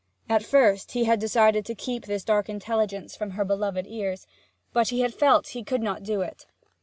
At first he had decided to keep this dark intelligence from her beloved ears; but he had felt that he could not do it.